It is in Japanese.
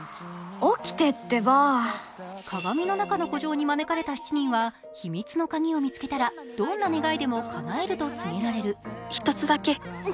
鏡の中の孤城に招かれた７人は秘密の鍵を見つけたらどんな願いでもかなえると告げられる。